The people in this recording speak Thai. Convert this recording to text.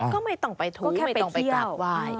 ก็ไม่ต้องไปทูไม่ต้องไปกลับว่าย